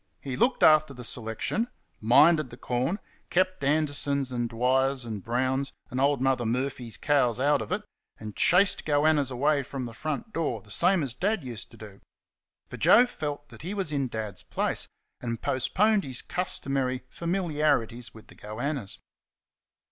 He looked after the selection, minded the corn, kept Anderson's and Dwyer's and Brown's and old Mother Murphy's cows out of it, and chased goannas away from the front door the same as Dad used to do for Joe felt that he was in Dad's place, and postponed his customary familiarities with the goannas.